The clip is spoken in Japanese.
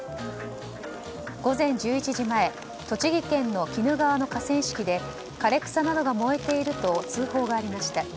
午前１１時前栃木県の鬼怒川の河川敷で枯れ草などが燃えていると通報がありました。